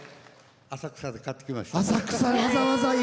浅草で買ってきました。